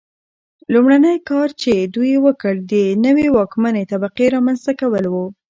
لومړنی کار چې دوی وکړ د نوې واکمنې طبقې رامنځته کول و.